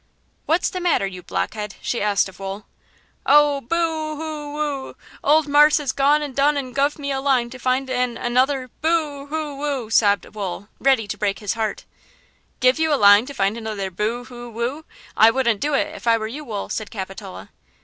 "What's the matter, you blockhead?" she asked of Wool. "Oh! boo hoo woo! Ole marse been and done and gone and guv me a line to find an–an–another–boo hoo woo!" sobbed Wool, ready to break his heart. "Give you a line to find another boo hoo woo! I wouldn't do it, if I were you, Wool," said Capitola.